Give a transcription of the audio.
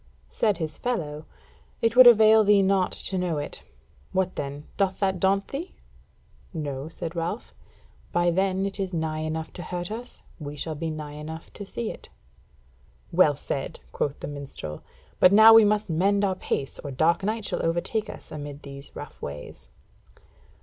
Said his fellow: "It would avail thee naught to know it. What then, doth that daunt thee?" "No," said Ralph, "by then it is nigh enough to hurt us, we shall be nigh enough to see it." "Well said!" quoth the minstrel; "but now we must mend our pace, or dark night shall overtake us amid these rough ways."